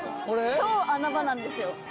超穴場なんですよ。